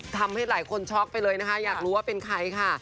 ทำให้หลายคนช็อกไปเลยนะคะอยากรู้ว่าเป็นใครค่ะ